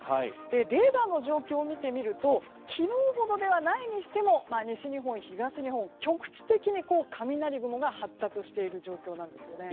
レーダーの状況を見てみると昨日ほどではないにしても西日本、東日本の局地的に雷雲が発達している状況なんですね。